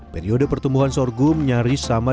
periode pertumbuhan sorghum nyaris sama